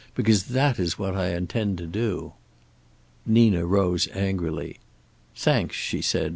Because that is what I intend to do." Nina rose angrily. "Thanks," she said.